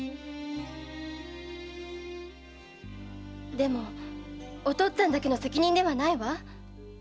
でもお父っつぁんだけの責任ではないわ。